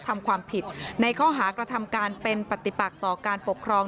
ทำความผิดในข้อหากระทำการเป็นปฏิปักต่อการปกครอง